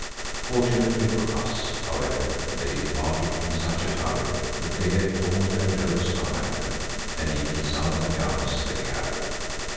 Fortunately for us, however, they departed in such a hurry that they left all their loads behind them, and even some of the guns they carried.